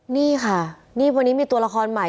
นี่ค่ะนี่วันนี้มีตัวละครใหม่